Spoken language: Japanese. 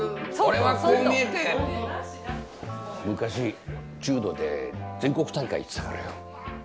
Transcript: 俺はこう見えて昔柔道で全国大会いってたからよ。